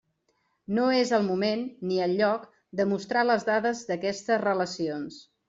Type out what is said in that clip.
No és el moment, ni el lloc, de mostrar les dades d'aquestes relacions.